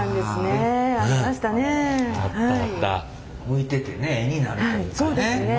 置いててね絵になるというかね。